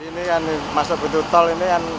ini kan masuk gedung tol ini kan